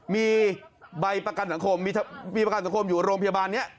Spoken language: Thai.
มีใบประกันสังคมมีประกันสังคมอยู่โรงพยาบาลนี้